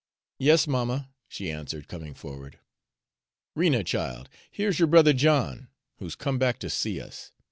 "Yes, mamma," she answered, coming forward. "Rena, child, here's yo'r brother John, who's come back to see us.